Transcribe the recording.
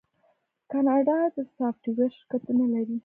کاناډا د سافټویر شرکتونه لري.